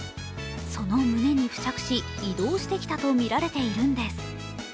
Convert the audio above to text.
その胸に付着し、移動してきたとみられているんです。